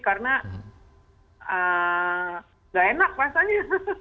karena nggak enak pastinya